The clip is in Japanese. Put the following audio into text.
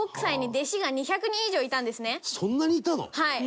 はい。